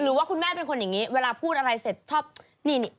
หรือว่าคุณแม่เป็นคนอย่างนี้เวลาพูดอะไรเสร็จชอบนี่นี่